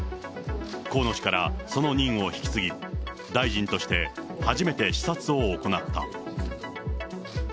河野氏からその任を引き継ぎ、大臣として初めて視察を行った。